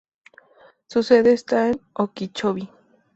Su sede está en Okeechobee.